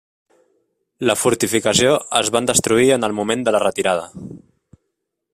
La fortificació es van destruir en el moment de la retirada.